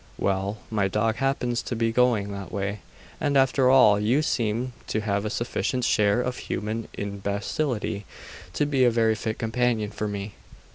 Well my dog happens to be going that way; and after all, you seem to have a sufficient share of human imbecility to be a very fit companion for me.